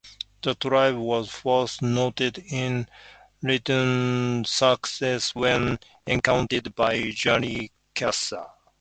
The tribe was first noted in written sources when encountered by Julius Caesar.